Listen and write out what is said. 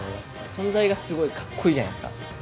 存在がすごいかっこいいじゃないですか。